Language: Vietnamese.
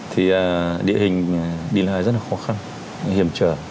thì địa hình đi lại rất là khó khăn hiểm trở